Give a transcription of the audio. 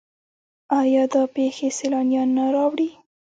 آیا دا پیښې سیلانیان نه راوړي؟